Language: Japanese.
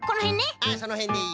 ああそのへんでいい。